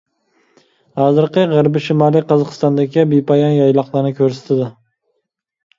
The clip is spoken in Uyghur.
ھازىرقى غەربىي شىمالىي قازاقىستاندىكى بىپايان يايلاقلارنى كۆرسىتىدۇ.